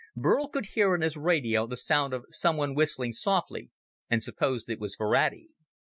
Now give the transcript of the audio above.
Burl could hear in his radio the sound of someone whistling softly, and supposed it was Ferrati.